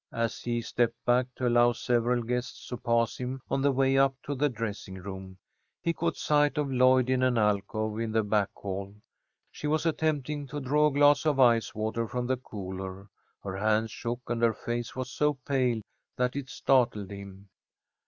As he stepped back to allow several guests to pass him on the way up to the dressing room, he caught sight of Lloyd in an alcove in the back hall. She was attempting to draw a glass of ice water from the cooler. Her hands shook, and her face was so pale that it startled him.